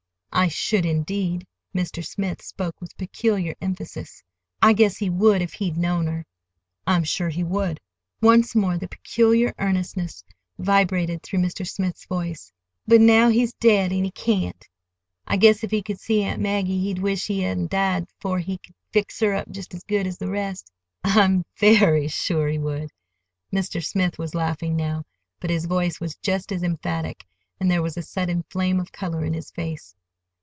"I should, indeed!" Mr. Smith spoke with peculiar emphasis. "I guess he would if he'd known her!" "I'm sure he would!" Once more the peculiar earnestness vibrated through Mr. Smith's voice. "But now he's dead, an' he can't. I guess if he could see Aunt Maggie he'd wish he hadn't died 'fore he could fix her up just as good as the rest." "I'm very sure he would!" Mr. Smith was laughing now, but his voice was just as emphatic, and there was a sudden flame of color in his face.